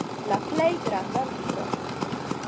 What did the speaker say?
La plej granda libro.